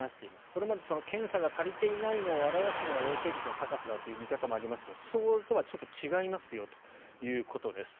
これまで検査が足りていないのを表すのが陽性率の高さだという見方もありましたがそれとはちょっと違いますよということです。